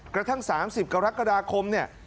กระทั่ง๓๐กรกฎาคมเนี่ย